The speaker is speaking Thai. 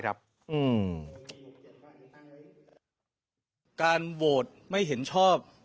การโหวตไม่เห็นชอบ